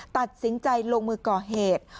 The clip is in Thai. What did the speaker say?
ตัดสินใจลงมือก่อเหตุ